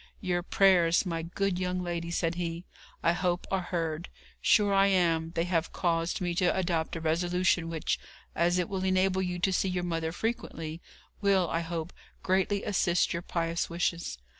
'Your prayers, my good young lady,' said he, 'I hope, are heard. Sure I am they have caused me to adopt a resolution which, as it will enable you to see your mother frequently, will, I hope, greatly assist your pious wishes.